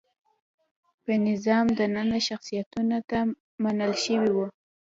په نظام دننه شخصیتونو ته منل شوي وو.